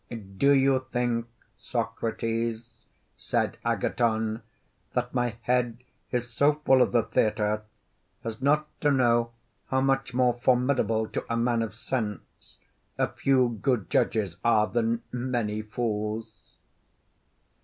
Do you think, Socrates, said Agathon, that my head is so full of the theatre as not to know how much more formidable to a man of sense a few good judges are than many fools?